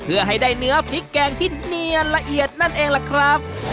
เพื่อให้ได้เนื้อพริกแกงที่เนียนละเอียดนั่นเองล่ะครับ